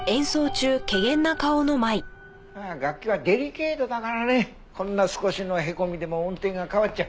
楽器はデリケートだからねこんな少しのへこみでも音程が変わっちゃう。